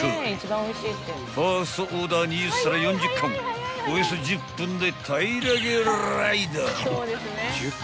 ［ファーストオーダー２０皿４０貫をおよそ１０分で平らげライダー］